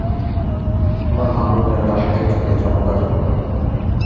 আমার মা বলতেন-রাশেদের চোখে জন্মকাজল পরানো।